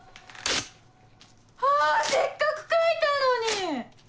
せっかく書いたのに！